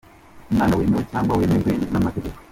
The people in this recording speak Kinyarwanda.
Umwana wemewe cyangwa wemejwe n’amategeko,.